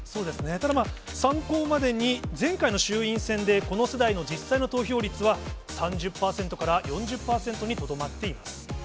ただまあ、参考までに前回の衆院選でこの世代の実際の投票率は、３０％から４０％にとどまっています。